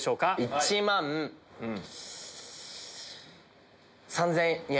１万３０００円。